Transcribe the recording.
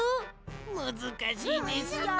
むずかしいですね。